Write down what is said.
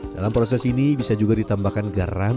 dalam proses ini bisa juga ditambahkan garam